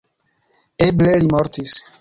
Eble li mortis.